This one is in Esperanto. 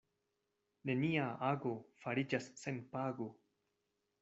Nenia ago fariĝas sen pago.